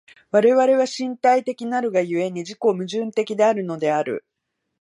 我々は身体的なるが故に、自己矛盾的であるのである。